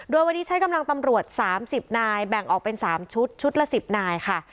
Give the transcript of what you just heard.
โดยวันนี้ใช้กำลังตำรวจ๓๐นายแบ่งออกเป็น๓ชุดชุดละ๑๐นายค่ะ